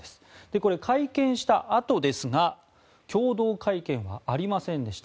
これ、会見したあとですが共同会見はありませんでした。